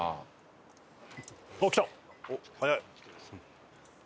早い。